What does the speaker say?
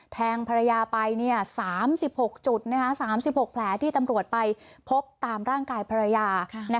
แทงภรรยาไป๓๖จุด๓๖แผลที่ตำรวจไปพบตามร่างกายภรรยา